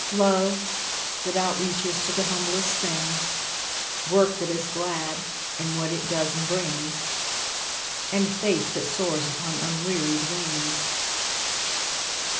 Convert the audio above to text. Love, that outreaches to the humblest things; Work that is glad, in what it does and brings; And faith that soars upon unwearied wings.